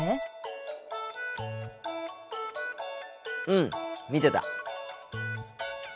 うん見てた。